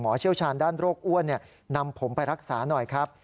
เชี่ยวชาญด้านโรคอ้วนนำผมไปรักษาหน่อยครับ